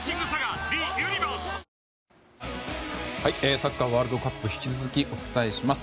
サッカーワールドカップ引き続きお伝えします。